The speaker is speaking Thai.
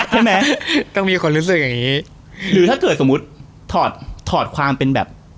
ใช่ไหมต้องมีคนรู้สึกอย่างงี้หรือถ้าเกิดสมมุติถอดถอดความเป็นแบบ